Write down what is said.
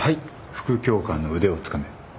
副教官の腕をつかめ。